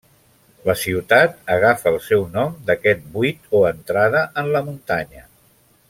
La ciutat agafa el seu nom d'aquest buit o entrada en la muntanya.